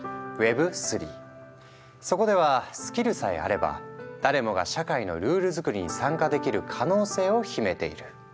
そこではスキルさえあれば誰もが社会のルール作りに参加できる可能性を秘めている。